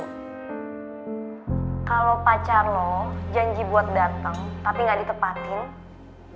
kalo pacar lo janji buat dateng tapi gak ditepatin